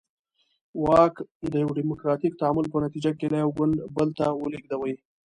واک د یوه ډیموکراتیک تعامل په نتیجه کې له یو ګوند بل ته ولېږدوي.